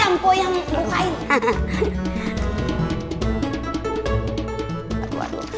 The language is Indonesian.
udah pegang aja pelutang